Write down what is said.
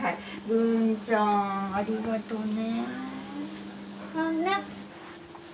文ちゃんありがとね。